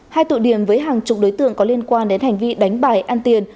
hai tụ điểm với hàng chục đối tượng có liên quan đến hành vi đánh bài ăn tiền